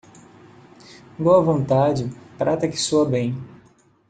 Boa vontade, prata que soa bem.